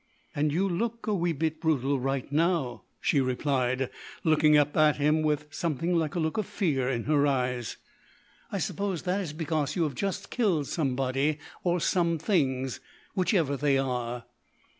"And you look a wee bit brutal right now," she replied, looking up at him with something like a look of fear in her eyes. "I suppose that is because you have just killed somebody or somethings whichever they are."